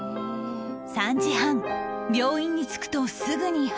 ３時半病院に着くとすぐに破水